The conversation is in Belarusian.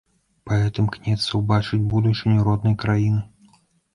Паэт імкнецца ўбачыць будучыню роднай краіны.